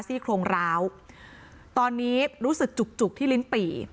ซี่โครงร้าวตอนนี้รู้สึกจุกจุกที่ลิ้นปี่